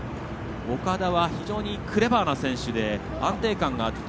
岡田は、非常にクレバーな選手で安定感があると。